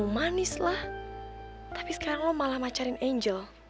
wih pindah sayang